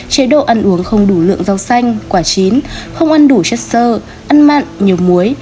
chế độ ăn uống không đủ lượng rau xanh quả chín không ăn đủ chất sơ ăn mặn nhiều muối